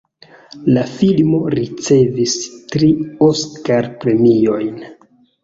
La filmo ricevis tri Oskar-premiojn.